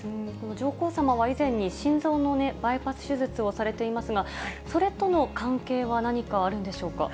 上皇さまは以前に心臓のバイパス手術をされていますが、それとの関係は何かあるんでしょうか。